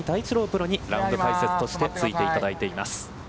プロにラウンド解説としてついていただいています。